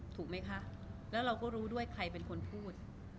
ถูกไหมคะแล้วเราก็รู้ด้วยใครเป็นคนพูด